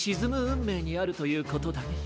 うんめいにあるということだね。